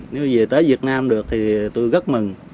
nếu về tới việt nam được thì tôi rất mừng